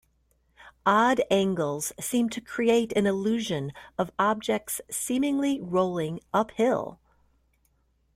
Odd angles seem to create an illusion of objects seemingly rolling uphill.